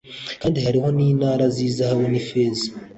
kandi hariho n’intāra z’izahabu n’ifeza